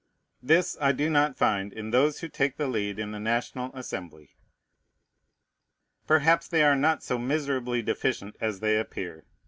This I do not find in those who take the lead in the National Assembly. Perhaps they are not so miserably deficient as they appear.